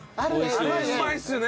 あれうまいっすよね！